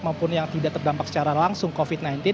maupun yang tidak terdampak secara langsung covid sembilan belas